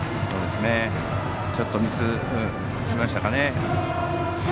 ちょっとミスしましたかね。